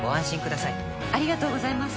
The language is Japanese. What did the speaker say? ありがとうございます。